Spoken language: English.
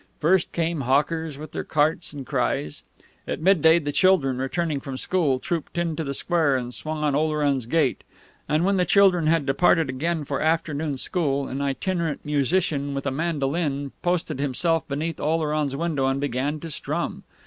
First came hawkers, with their carts and cries; at midday the children, returning from school, trooped into the square and swung on Oleron's gate; and when the children had departed again for afternoon school, an itinerant musician with a mandolin posted himself beneath Oleron's window and began to strum.